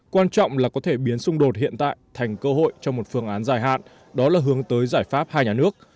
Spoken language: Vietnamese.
quan trọng là có thể biến xung đột hiện tại thành cơ hội cho một phương án dài hạn đó là hướng tới giải pháp hai nhà nước